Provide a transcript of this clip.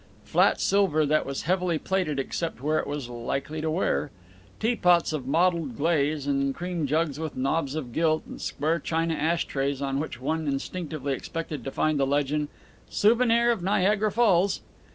Flat silver that was heavily plated except where it was likely to wear. Tea pots of mottled glaze, and cream jugs with knobs of gilt, and square china ash trays on which one instinctively expected to find the legend "Souvenir of Niagara Falls."